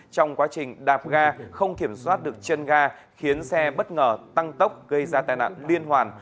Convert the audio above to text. trong quá trình đạp ga không kiểm soát được chân ga khiến xe bất ngờ tăng tốc gây ra tai nạn liên hoàn